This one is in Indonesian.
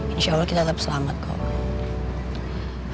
insya allah kita tetap selamat kok